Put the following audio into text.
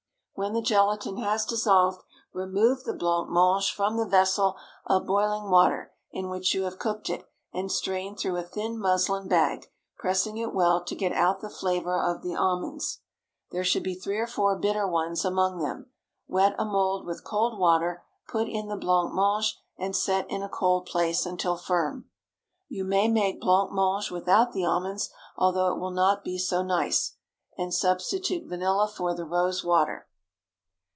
When the gelatine has dissolved, remove the blanc mange from the vessel of boiling water in which you have cooked it, and strain through a thin muslin bag, pressing it well to get out the flavor of the almonds. There should be three or four bitter ones among them. Wet a mould with cold water, put in the blanc mange, and set in a cold place until firm. You may make blanc mange without the almonds, although it will not be so nice—and substitute vanilla for the rose water.